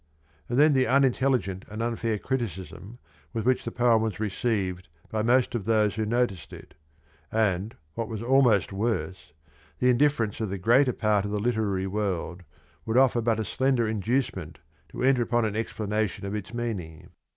"^ And then the unintelligent and unfair criticism with which the poem was received by most of those who noticed it, and, what was almost worse, the indifference of the greater part of the literary world, would offer but a slender inducement to enter upon an explanation of its meaning.